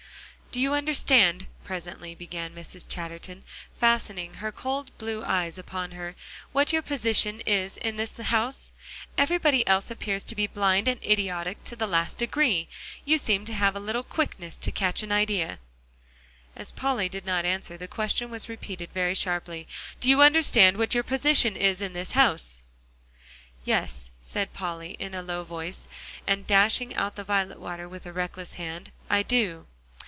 "Do you understand," presently began Mrs. Chatterton, fastening her cold blue eyes upon her, "what your position is in this house? Everybody else appears to be blind and idiotic to the last degree; you seem to have a little quickness to catch an idea." As Polly did not answer, the question was repeated very sharply: "Do you understand what your position is in this house?" "Yes," said Polly, in a low voice, and dashing out the violet water with a reckless hand, "I do."